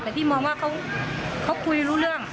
แต่พี่มองว่าเขาคุยรู้เรื่อง